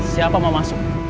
siapa mau masuk